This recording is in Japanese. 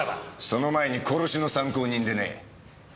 その前に殺しの参考人でね。